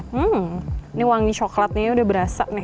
hmm ini wangi coklatnya sudah berasa nih